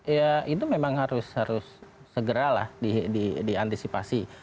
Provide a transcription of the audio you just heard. ya itu memang harus segeralah diantisipasi